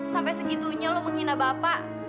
sampai segitunya lo menghina bapak